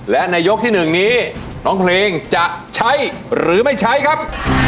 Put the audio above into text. และในยกที่๑นี้น้องเพลงจะใช้หรือไม่ใช้ครับ